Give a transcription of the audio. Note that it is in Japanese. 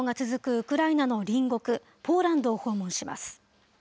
ウクライナの隣国、ポーランドを訪問します。